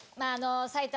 埼玉